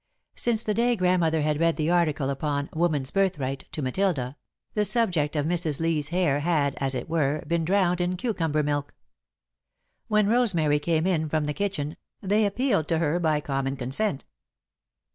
Since the day Grandmother had read the article upon "Woman's Birthright" to Matilda, the subject of Mrs. Lee's hair had, as it were, been drowned in cucumber milk. When Rosemary came in from the kitchen, they appealed to her by common consent.